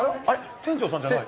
店長さんじゃない？